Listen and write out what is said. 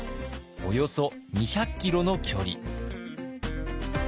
およそ２００キロの距離。